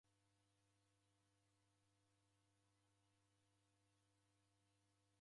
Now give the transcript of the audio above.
W'aw'efukia chofi kisaya